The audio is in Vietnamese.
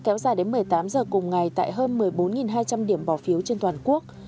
kéo dài đến một mươi tám giờ cùng ngày tại hơn một mươi bốn hai trăm linh điểm bỏ phiếu trên toàn quốc